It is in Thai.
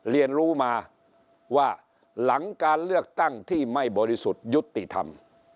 เรียนรู้มาว่าหลังการเลือกตั้งที่ไม่บริสุทธิ์ยุติธรรม